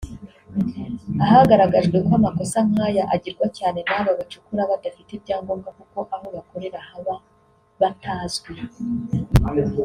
ahagaragajwe ko amakosa nk’aya agirwa cyane n’aba bacukura badafite ibyangombwa kuko aho bakorera haba batazwi